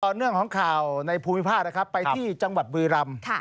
ต่อเรื่องของข่าวในภูมิภาพไปที่จังหวัดบื๊รัม